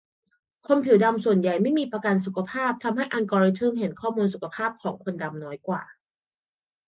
คนผิวดำส่วนใหญ่ไม่มีประกันสุขภาพ ทำให้อัลกอริทึมเห็นข้อมูลสุขภาพของคนดำน้อยกว่า